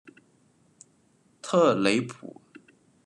特雷普。